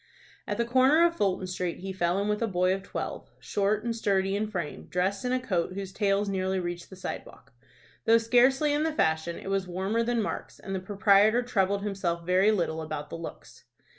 At the corner of Fulton Street he fell in with a boy of twelve, short and sturdy in frame, dressed in a coat whose tails nearly reached the sidewalk. Though scarcely in the fashion, it was warmer than Mark's, and the proprietor troubled himself very little about the looks.